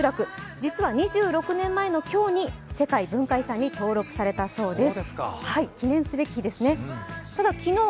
実は２６年前の今日に、世界文化遺産に登録されたそうです